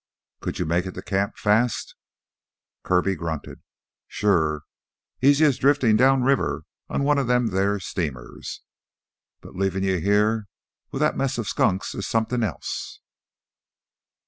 "Could you make it to camp, fast?" Kirby grunted. "Sure, easy as driftin' downriver on one of them theah steamers. But leavin' you heah with that mess of skunks is somethin' else."